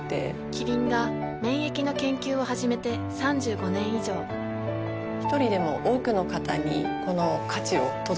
キリンが免疫の研究を始めて３５年以上一人でも多くの方にこの価値を届けていきたいと思っています。